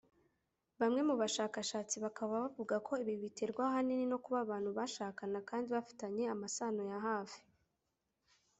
Bamwe mu bashakashatsi bakaba bavuga ko ibi biterwa ahanini no kuba abantu bashakana kandi bafitanye amasano ya hafi